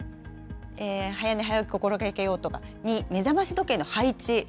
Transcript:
早寝早起き心がけようとか、２、目覚まし時計の配置。